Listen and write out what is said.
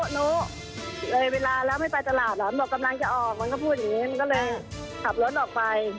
หนูเลยเวลาแล้วไม่ไปตลาดเหรอหนูบอกกำลังจะออกมันก็พูดอย่างนี้มันก็เลยขับรถออกไป